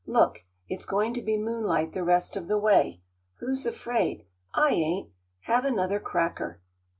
"Look, it's going to be moonlight the rest of the way. Who's afraid? I ain't. Have another cracker."